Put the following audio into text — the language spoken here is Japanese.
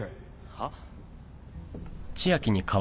はっ？